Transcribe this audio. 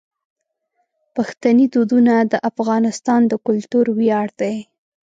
پښتني دودونه د افغانستان د کلتور ویاړ دي.